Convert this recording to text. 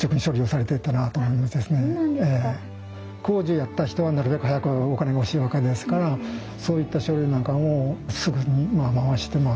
工事やった人はなるべく早くお金が欲しいわけですからそういった書類なんかもすぐに回してまあ